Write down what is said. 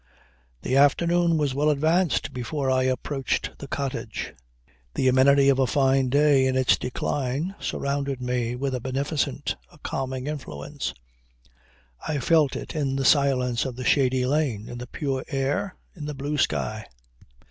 The afternoon was well advanced before I approached the cottage. The amenity of a fine day in its decline surrounded me with a beneficent, a calming influence; I felt it in the silence of the shady lane, in the pure air, in the blue sky.